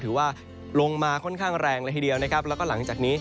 ถือว่าลงมาค่อนข้างแรงเลยทีเดียวนะครับแล้วก็หลังจากนี้